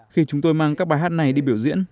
khi chúng tôi mang các bài hát này đi biểu diễn